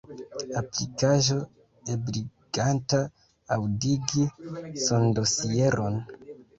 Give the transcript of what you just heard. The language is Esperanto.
Aplikaĵo ebliganta aŭdigi sondosieron.